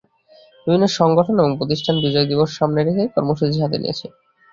বিভিন্ন সংগঠন এবং প্রতিষ্ঠান বিজয় দিবস সামনে রেখে কর্মসূচি হাতে নিয়েছে।